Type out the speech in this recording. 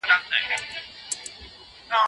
عصبي ناارامي ولي د زوم لپاره ښه نه ده؟